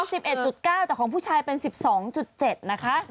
ผู้หญิงเป็น๑๑๙แต่ของผู้ชายเป็น๑๒๗นะคะ